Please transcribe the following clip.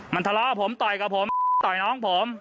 มันทะเลาะผมต่อยกับผมต่อยน้องผม